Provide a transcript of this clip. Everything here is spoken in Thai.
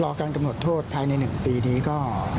การกำหนดโทษภายใน๑ปีนี้ก็